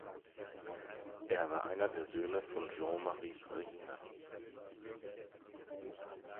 Er war einer der Söhne von Jean Marie Farina.